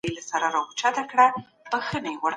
ذهني فشار د وخت د کمښت له امله زیاتېږي.